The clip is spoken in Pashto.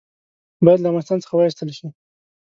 باید له افغانستان څخه وایستل شي.